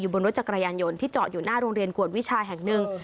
บนรถจักรยานยนต์ที่จอดอยู่หน้าโรงเรียนกวดวิชาแห่งหนึ่ง